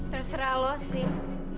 terserah lo sih